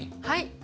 はい。